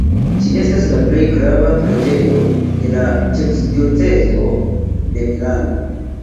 Ĝi estas la plej grava preĝejo de la ĉefdiocezo de Milano.